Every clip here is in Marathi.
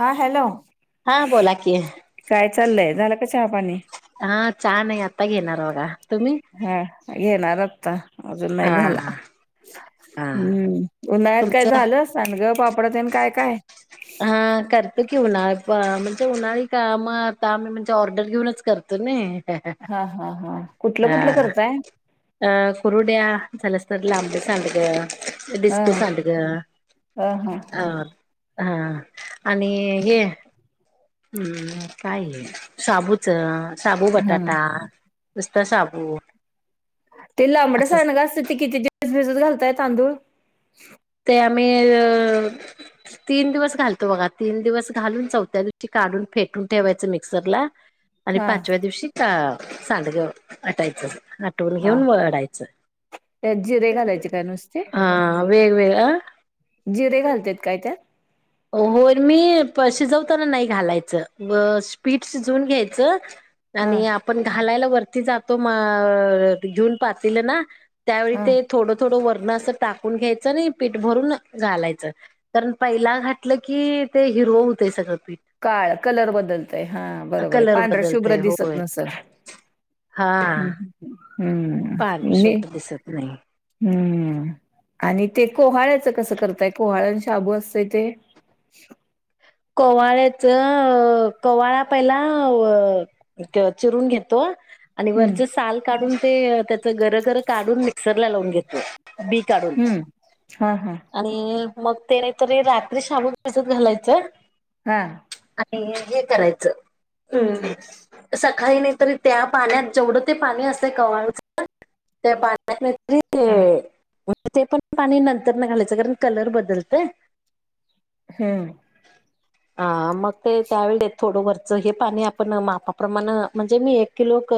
हा हॅलो हा बोला की काय चाललंय झालं का चहा पाणी- हा चाहा नाही आत्ता घेणार बघा तुम्ही- हा घेणार आत्ता अजुन हा नाही झाला हा हम्म उन्हाळ्यात काय तुमचं झालं सांडग पापड आणि काय काय हा करतो की उन्हाळा पन म्हणजे उन्हाळी काम मग आता आम्ही म्हणजे ऑर्डर घेऊनच करतो ना- हा हा हा कुठलं कुठलं करताय अ कुरङया झालस्त लांब सांडग अ हा डिस्को सांडग- ह हां... अ हा आणि हे ह् काय हे साबुच साबु, हा बटाटा नुस्त साबु- ते लांबट सांडग असत ते किती दिवस भिजत घालतय तांदुळ? ते आम्ही अ... तीन दिवस घालतो बघा, तीन दिवस घालून चौथ्या दिवशी काढुन फेटून ठेवायचं मिक्सरला- हम [inaudible] आणि पाचव्या दिवशी का सांडग वाटायच. थोड हा घेऊन ओढायच त्यात जिरे [unintelligible] घालायचे काय नुसते हा- वेगवेगळं अ- जिरे घालत्यात काय त्यात? होय, मी शिजवताना नाही घालायचं, पीठ शिजवून घ्यायचं- हा आणि आपण घालायला वरती जातो, म.. घेऊन पातीलं ना- त्यावेळी हा ते- थोडं, थोडं वरण असं टाकून घ्यायचं आणि पीठ भरून घालायचं, कारण पहिला घात- घातलं कि, ते हिरव होतंय ते सगळं पीठ- काळं कलर बदलतय, हा बरोबर आहे, कलर पांढरा शुभ्र बदलतय दिसत होय नसल. हा. हम्म हम्म.. पांढर मी- शुभ्र दिसत नाही हम्म आणि ते कोहाळ्याचं कसं करताय कोहाळ्यांच शाबु असतय ते? शाबु- [unintelligible] कोवाहाळ्याच कवा्हाळा पहिला अ... - त्यो चिरून घेतो- आणि हम्म वरचे साल काढून ते त्याचं गर, गरं काढून मिक्सरला लावून घेतो. बी काढून हम्म हां हां आणि मग ते नाहीतरी रात- थ्री शाबु भिजत घालायचं- हा. आणि हे करायचं, हम्म- [unintelligible] सकाळी नाही तरी, त्या पाण्यात जेवढं ते पाणी असते कवाळुच- त्या पाण्यात मिरची हां [unintelligible] ते पण पाणी नंतरन घालायचं, कारण कलर बदलतय. हम्म. ह मग ते त्यावेळीे थोडं वरच हे पाणी आपण मापाप्रमाण म्हणजे, मी एक- किलोत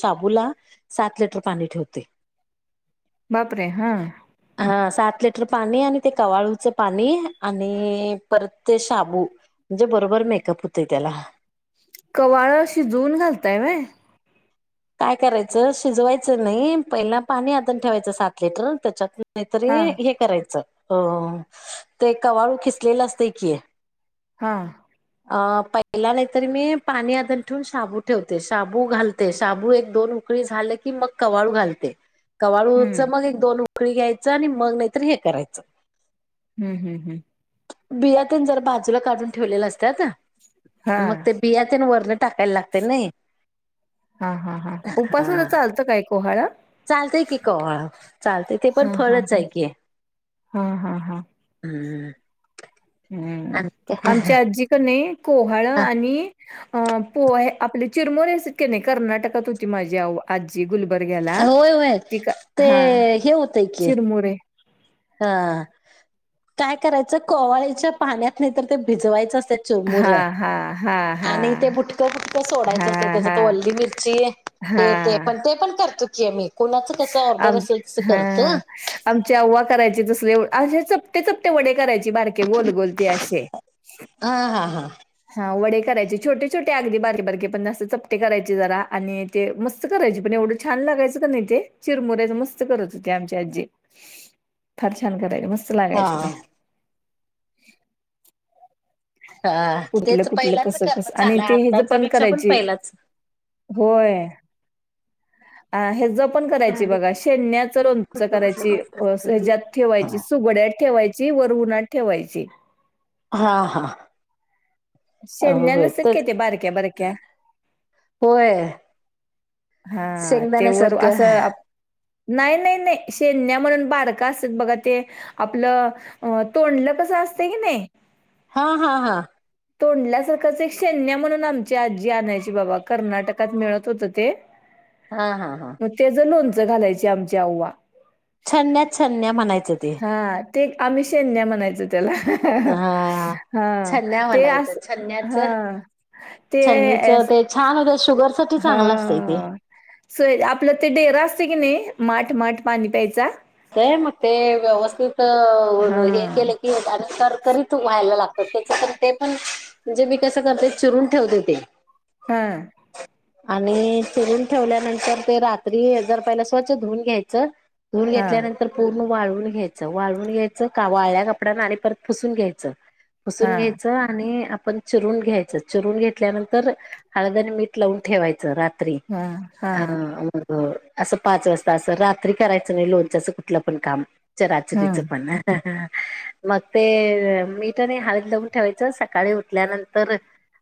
साबूला सात लिटर पाणी ठेवते. बापरे! हां. हां सात लिटर पाणी आणि ते कवाळूचं पाणी- आणि परत ते शाबू म्हणजे, बरोबर मेकअप होतंय त्याला. कवाळं शिजवून घालताय व्हय? काय करायचं, शिजवायचं नाही, पहिला पाणी आटून ठेवायचं सात लिटर त्याच्यात- नाहीतरी हां हे करायचं, अ.. ते कवाळू खिसलेलं असतय की- हां. अ पहिला [unintelligible] नाहीतरी मी पाणी आदण ठेवून शाबू ठेवते शाबू घालतेस. शाबू एक दोन उकळी झाले की, मग कवाळू घालते कवाळूच हम्म मग हे- दोन उकळी घ्यायचं आणि मग नाहीतर हे करायचं. हं हं हं. बिया तेन जरा बाजूला काढून ठेवलेलं असत्यात- मग हां. ते बिया तेन वरनं टाकायला लागते नाही. हां हां हां, उपसाला चालतं काय कोहाळ? चालतंय की, कवाळं चालतंय ते पण फळच आहे की. हं हं हं. ह [unintelligible] हम्म आमची आजी क नाही कोहाळ आणि अ पो आपल्या चिरमुरे असायातक्या नाही कर्नाटकात होती माझी आव आजी गुल बरग्याला होय होय ति ते हां चिरमुरे हां काय करायचं कोहाळ्याच्या पाण्यात नाही तर ते भिजवायचं अस. चोमुर हां, हां, हां, आणि ते हां. बुटकं बुटकं सोडायचं अस हां, त्याच्या तर हां. वल्ली मिरची हे ते हां. पण ते पण करतो की मी कुणाच कसं ऑर्डर असेल त करत. आमचची अव्वा करायचे तसले असे चपटे चपटे वडे करायची बार गोल गोलती अस असे. हा हा हा हा वडे करायचे छोटे छोटे अगदी बारके बारकीे पणस्त चपटे करायचे जरा आणि ते मस्त करायचे पण एवढं छान लागयचं का नाही ते चिरमुऱयचं मस्त करत होते आमची आजी फार छान करायचे मस्त लागायचं ते हा हा कुठलं तेच कुठलं पहिलाच कसं करणं कसं आणि चांगलं ते हे ज आताच्या पण पेक्षा करायची. पहिलाच होय अ हे ज पण करायची झालं बघा शेण्याच लोणचं कुठलं कुठलं करायची करतासा तरी सज्यात ठेवायची सुगड्यात ठेवायची. ची वर उनात ठेवायची. हा हां शन्या नसत का तेच ते बारक्या बारक्या होय हा तेवर शेंगदाण्यासारखं असं नाही नाही नाही शेन्य म्हणून बारका असतात बघा ते आपलं तोंडलं कसं असते कि नाही. हा, हा, हा, तोंडल्यासारखाच एक शैन्या म्हणून आमची आजी आणायची बाबा कर्नाटकात मिळतं होतं ते हां हां हां मग तेच लोणचं घालायची आमच्या अव्वा छन्या छन्या म्हणायचं. ते हा ते आम्ही शैन्या म्हणायचो त्याला हा हा छन्या ते म्हणायचं अस छन्याच हा ते छन्नीच ते छान होत शुगर साठी चांगलं असत इथे हां. आपलं ते डेरा असते की नाही माठ पाणी प्यायचा. मग ते व्यवस्थित हे हां. केले की त्यानंतर करकरीत व्हायला लागत. पण ते पण मी कसं करते चिरून ठेवते ते हा, आणि चिरून ठेवल्यानंतर ते रात्री जर पहिलं स्वच्छ धुवून घ्यायचं. हां, धुतल्यानंतर पूर्ण वाळून घ्यायचं वाळून घ्यायचं का वाळ्या कपड्यांना आणि परत पुसून घ्यायचं. हसून हां, घ्यायचं आणि आपण चिरून घ्यायचं चिरून घेतल्यानंतर हळद आणि मीठ लावून ठेवायचं रात, हां, हां, असं पाच वाजता असं रात्री करायचं नाही लोणचं. तसं कुठलं पण काम चिरचिरी हं, पण मंग ते मीठआणि हळद लावून ठेवायचं सकाळी उठल्यानंतर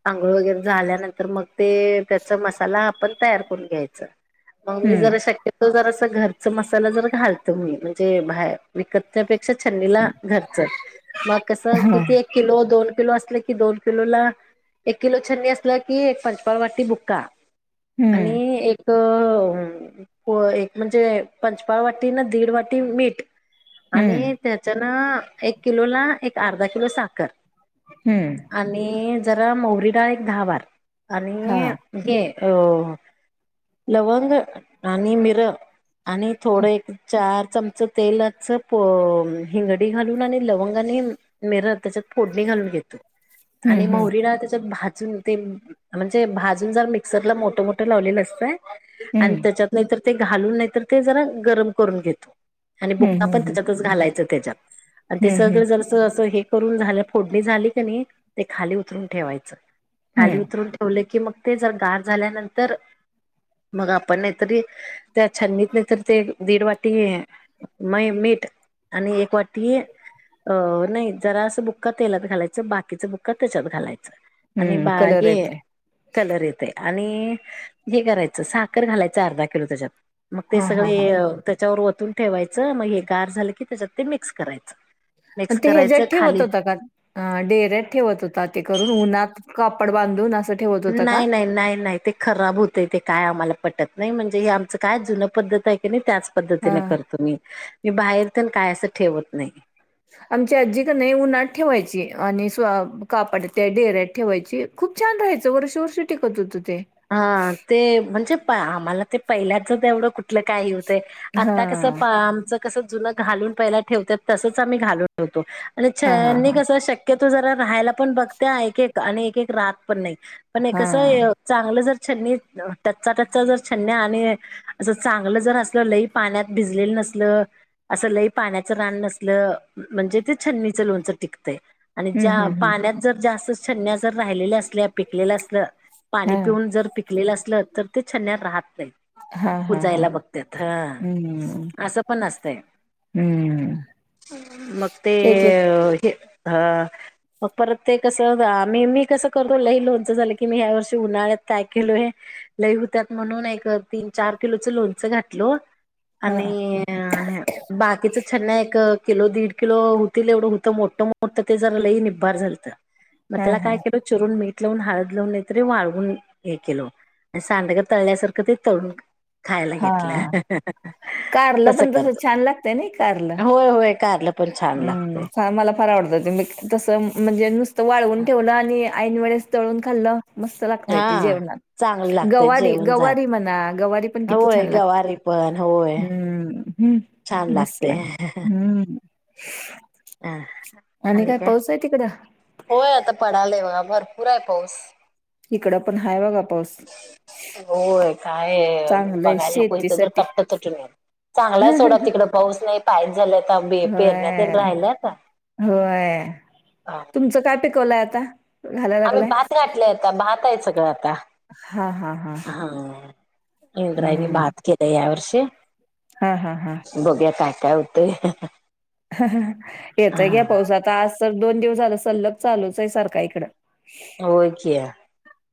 आंघोळ वगैरे झाल्यानंतर मगं ते त्याचा मसाला आपण तयार करून घ्यायच मग मी हं, जरा शक्य. तो जरा घरचा मसाला जर घालतो मी म्हणजे बाहेर विकत पेक्षा [inaudible] छननीला घरचं मग कसं हां, किती किलो. दोन किलो. असले कि दोन किलो. ला एक किलो छ्नी असलं कि एक पंचपाळवाटी बुक्का आणि हं, एक अ एक म्हणजे पंचपाळ वाट टी नं दीड वाटी मीठ आणि हं, त्याच्या न एक किलो ला एक अर्धा किलो साखर. हम्म आणि जरा मोहरी डाळ एक दहा बारा आणि हां, हे लवंग आणि मिरं आणि थोडं एक चार चमचं तेलाच प हिंगडी घालून आणि लवंग आणि मिरं त्याच्यात फोडणी घालून घेतो हं, आणि हं, मोहरी डाळ त्याच्यात भाजून ते म्हणजे भाजून जर मिक्सरला मोठं मोठं लावलेलं असतंय आणि हं, त्याच्यातं नायतर ते घालून नायतर ते जरा गरम करून घेतो. आणि हं, बुका हं, पण हं, त्याच्यातचं घालायचं त्याच्यातं आणि ते हं, सगळं हं, जर चं असं हे करुन झालं फोडनी झाली क नी ते खाली उतरून ठेवायचं खाली हं, उतरून ठेवलं की मग ते जरा गार झाल्यानंतर मग आपण नायतरी त्या छननीत नायतर ते दीड वाटी मय मीठ आणि एक वाटी अ नाही जरासं बुक्का तेलात घालायचं बाकीचं बुक्का त्याच्यात घालायचं. आणि हं, बा कलर हे येतोय. कलर येतय. आणि हे करायच साखर घालायचं अर्धा किलो त्याच्यात मग ते हां, हां, सगळे हां. म त्याच्यावर ओतून ठेवायचं मग हे गार झालं की त्याच्यात ते मिक्स करायचं. पण मिक्स ते करायचं ह्याच्यात खाली ठेवतं होता का अ डेऱ्यात ठेवतं होता ते करून उन्हात कापड बांधून असं ठेवत होता का? नाय नाय नाय नाय ते खराब होतय ते काय आम्हाला पटत नाही म्हणजे हे आमचं काय जुनं त्याचंपद्धतं हाय की नाय त्यांच पद्तीने हां. करतो मी मी बाहेर तेन काय असं ठेवत नाय. आमची आजी क नाय उन्हात ठेवायची आणि स् कापड त्या डेऱ्यात ठेवायची खूप छान राहायचं वर्ष वर्ष टिकत होतं ते. हा ते म्हणजे आम्हाला ते पहिल्याचं तेवढं कुठलं काय हे होत आता कसं हां. पा आमचं कसं जुनं घालून पाहिल्या ठेवत्यात तसचं आम्ही घालून ठेवतो आणि हां, हां, छन्नी हां. कस शक् शक्यतो जरा राहायला पण बघत्या आणि एक एक आणि एक एक राहत पण नाही पण हे कसं हां. चांगलं जर छन्नी टच्चा टच्चा जर छन्नी आणि असं चांगलं जर असलं लई पाण्यात भिजलेलं नसल असं लई पाण्याचं रान नसलं म्हणजे ते छन्नीचं लोणचं टिकतय. आणि हं, ज्या हं, हं. पाण्यात जर जास्त छन्यां जर राहिलेल्या असल्या पिकलेलं असलं पाणी हां. पिऊन जर पिकलेलं असलं तर ते छन्न्या राहत नाहीत. हां, हां, हां. कुजायला बघतात हं, ह असं पण असतंय. हं. मग ते एक, एक हे ह मग परत ते कसं अ मी मी कसं करतो लय लोणचं झालं की मी ह्या वर्षी ते उन्हाळ्यात काय केलोय लई होत्यात म्हणून एक तीन चार किलोचं लोणचं घातलो हां, आणि हय बाकीच छन्यां एक किलो दीड किलो होतील एवढं होतं मोठं मोठं ते जर लई निभार झालत. [inaudible] म त्यालाय केलं चिरून मीठ लावून हळद लावून तरी वाळवून हे केल सांडग तळल्यासारखं ते तळून. खायला हां. घेतलं कारलं तस पण तसं करतो छान लागतंय होय होय कालं. हम्म मला फार आवडतं ते तसं म्हणजे नुसतं वाळवून ठेवलं आणि. ऐन वेळेस तळून खाल्लं. मस्त लागतय ते हा. जेवनात चांगलं लागतय गवारी जेवण जा गवारी म्हणा गवारी पण किती होय छान लागते. गवारी पण होय हम्म छान हम्म मस् लागते. लाग हम्म. [inaudible] आणि काय पाऊस आहे तिकडं. होय आता पडालाय बघा भरपूर आहे पाऊस. इकड पण हाय बघा पाऊस. होय काय चांगलंय बघायला नको तर शेतीसाठी. कट्टतच [inaudible] चांगलाय सोडा तिकड पाऊस नाही पायच झाला तर आंबे पेरण्यात. होय, होय तुमचं काय पिकवलंय आता. घालाय आम्ही लागलाय? भात गाठलेय आता भात आहे सगळं आता. हां, हां, हां. हा इंद्रायनी भात केलाय या वर्षी. हा हा हा. बघ्या काय काय होतय. येतय घ्या पाऊसातता आज तर दोन दिवस झालं सल्लग चालूच आहे सारख इकडं. होय क्या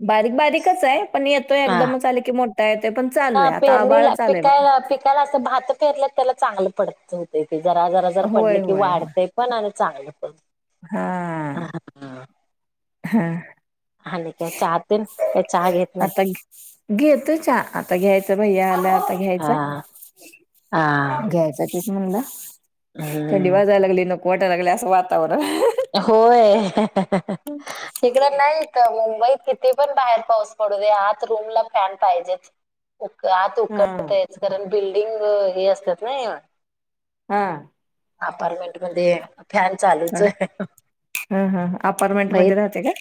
बारीक बारीकच आहे पण येतोय एकदमच चाले की मोठा येतोय पण चालू आहे आता आबाळ चालूय बघा. त्याला अस भात फेरलं त्याला चांगलं पडत होत क जरा जरा जर पडले होय, की वाढते. पण आणि चांगलं. हा आ आ. हम. हा. आणि काय. का चहाग येत. आता घेतोय चहा आता घ्यायचं भैया आला आता घ्यायचा. हां. म्ह थंडी हम्म वाजायला लागली नको वाटायला लागली असं वातावरण. होय. तिकड नाहीत मुंबईत कितीे पण बाहेर पाऊस पडू दे आात रूम ला फॅन पाहिजेत. [inaudible] उ आत हा उकडतायच कारण बिल्डिंग हे असतात ना. हा. अपार्टमेंट मध्ये फॅन चालूच आहे. हा हा अपारमेंट बाई मध्ये राहते का.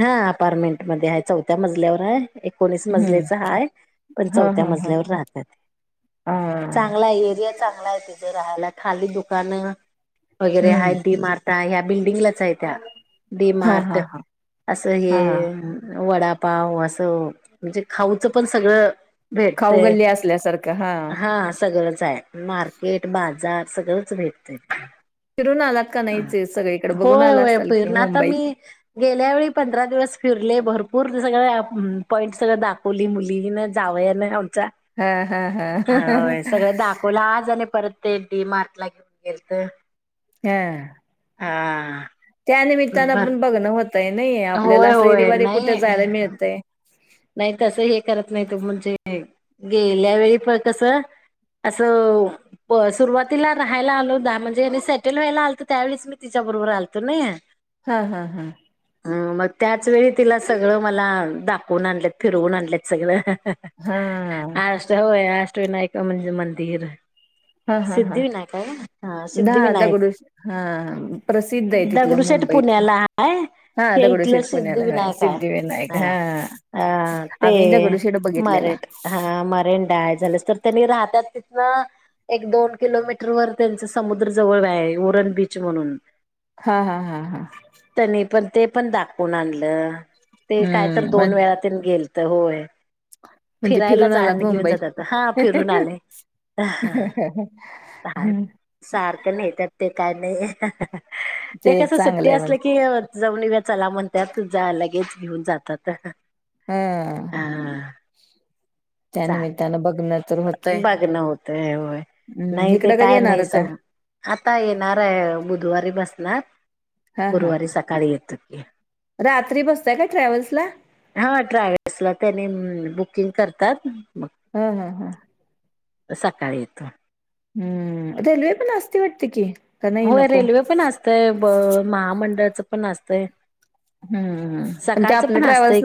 हा अपारमेंट मध्ये आहे चौथ्या मजल्यावर आहे. एकोणीस मजल्याचा हा आहे पण हा चौथ्या हा हा ह मजल्यावर राहतात. चांगला एरिया चांगला आहे ति जर राहायला खाली दुकानं वगैरे हम्म आहेत डी मार्के ट ह्या बिल्डिंगलाच आहे त्या डी हा हा मार्ट.. हा असं हा हे वडापाव असं म्हणजे खाऊचं पण सगळं. खाऊ भेटते गल्ली असल्यासारखं हा सगळंच आहे. मार्केट बाजार सगळंच भेटतय. फिरून आलात का नाही सगळीकडे बघून होय आला होय असाल की फिरण आता मुंबईत. मी गेल्या वेळी पंधरा दिवस फिरले भरपूर सगळं पॉईंट सगळं दाखवली मुलींन जावंया ना आमचा हा हा हा. बोला आज आणि परत ते डी मार्ट ला घेऊन गेल तर हम. हा. त्यानिमित्तानं बर पण बघणं होतय नाही आपल्याला होय असं होय हरीवारी कुठे नाही जायला मिळतय. नाही तसं हे करत नाही तो म्हणजे गेल्या वेळी पण कसं असं सुरुवातीला राहायला आलो द म्हणजे मी सेटल व्हायला आलत त्यावेळी मी तिच्या बरोबर आलतो नाही. हा हा हा. हम मग त्याच वेळी तिला सगळं मला दाखवून आणलेत फिरवून आणलेत सगळं. हा. हो अष्टविनायक म्हणजे मंदिर. हा हा हा सिद्धिविनायक आहे ना हा दा सिद्धिविनायक दगडूश हा प्रसिद्ध आहे तिथलं दगडूशेठ मुंबईतलं पुण्याला आहेाय. हा दगड शेठ पुण्याला सिद्धि विनायक हा. अ ते आम्ही दगडूशेठ बघितलेला मारेंडा. हा मरेंडाय झालंस तर त्यांनी राहतात तिथन एक दोन किलोमीटर वर त्यांचे समुद्र जवळ आहे उरण बीच म्हणून. हा हा हा हा. तनी पण ते पण दाखवून आणलं ते काय तर हम्म म्हण दोन वेळा गेल तर होय म्हणजे फिरायला फिरून जा आलात घेऊन मुंबई जात हा फिरून आले. सारखं नाही तर ते काय नाहीे. त्या ते केस एक सुट्टी चांगलंय असले म्हणजे की जमनी व्याचाला म्हणतात तुझ लगेच घेऊन जातात. हम्. हा चाल त्यानिमित्तानं बघण तर होतंय. बघणं होतंय होय हम्म नाही ते इकडं कधी काय येणार नाही स होता. आता येणार आहे बुधवारी बसणार हा हा गुरुवारी सकाळी येतो की रात्री बसताय का ट्रॅव्हल्स ला. हा ट्रॅव्हल्स ला त्यानी बुकिंग करतात म हम हम हम. सकाळी येतो. हम्म रेल्वे पण असती वाटते की. का नाही होय नको रेल्वे पण असतय ब महामंडळचं पण असतय. ह पण ते आपल्या ट्रॅव्हल्स ने